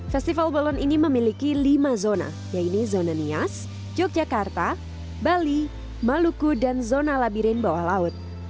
festival balon ini memiliki lima zona yaitu zona nias yogyakarta bali maluku dan zona labirin bawah laut